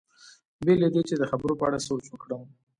بې له دې چې د خبرو په اړه سوچ وکړم.